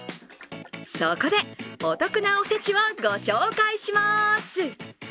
そこで、お得なおせちをご紹介します。